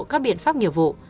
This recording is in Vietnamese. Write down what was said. các biện pháp nhiệm vụ